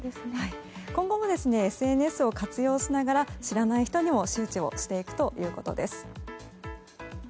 今後もＳＮＳを活用しながら知らない人にも周知をしていくということです。